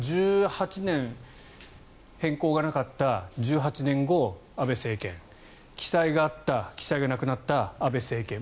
１８年、変更がなかった１８年後、安倍政権記載があった記載がなくなった、安倍政権。